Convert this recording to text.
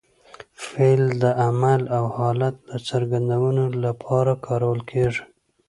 فعل د عمل او حالت د څرګندوني له پاره کارول کېږي.